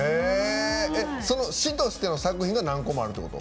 詞としての作品が何個もあるってこと？